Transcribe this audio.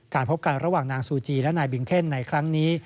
พบกันระหว่างนางซูจีและนายบิงเคนในครั้งนี้